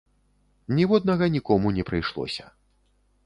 Ніводнага нікому не прыйшлося.